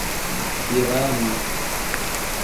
irana